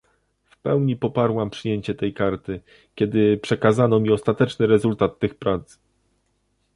W pełni poparłam przyjęcie tej karty, kiedy przekazano mi ostateczny rezultat tych prac